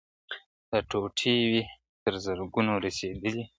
دا ټوټې وي تر زرګونو رسېدلي .